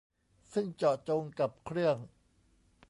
ซึ่งเจาะจงกับเครื่อง